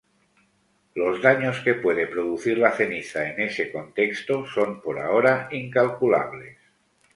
Los daños que puede producir la ceniza en ese contexto son por ahora incalculables.